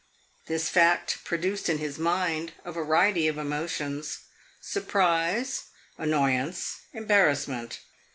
This fact produced in his mind a variety of emotions surprise, annoyance, embarrassment.